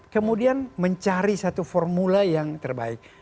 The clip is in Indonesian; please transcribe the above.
kemudian mencari satu formula yang terbaik